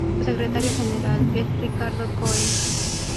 Su secretario general es Ricardo Cohen.